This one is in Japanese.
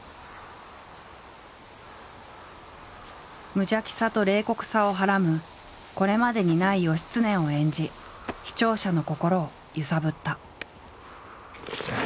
無邪気さと冷酷さをはらむこれまでにない義経を演じ視聴者の心を揺さぶった。